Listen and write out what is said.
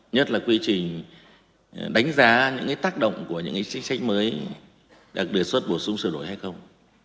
nhất là quy trình đánh giá những tác động của những chính sách mới đặt đề xuất bổ sung sửa đổi hay không